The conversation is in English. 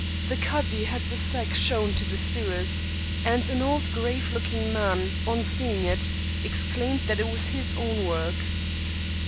The cadi had the sack shown to the sewers, and an old grave looking man, on seeing it, exclaimed that it was his own work.